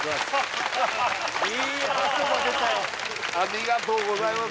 ありがとうございます！